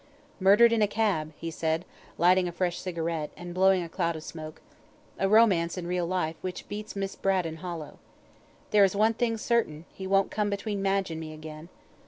"Murdered in a cab," he said, lighting a fresh cigarette, and blowing a cloud of smoke. "A romance in real life, which beats Miss Braddon hollow. There is one thing certain, he won't come between Madge and me again.